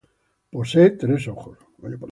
Posee tres ojos.